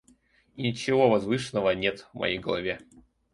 И ничего возвышенного нет в моей голове.